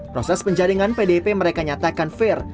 proses penjaringan pdp mereka nyatakan fair